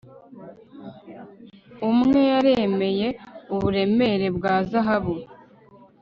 Umwe yaremereye uburemere bwa zahabu